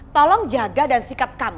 tolong jaga dan sikap kami